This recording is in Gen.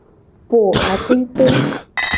Po aklito.